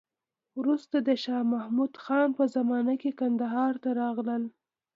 وروسته د شا محمود خان په زمانه کې کندهار ته راغله.